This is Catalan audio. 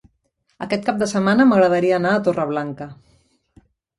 Aquest cap de setmana m'agradaria anar a Torreblanca.